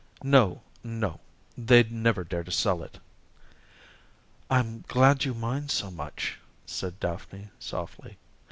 "No, no; they'd never dare to sell it." "I'm glad you mind so much," said Daphne softly.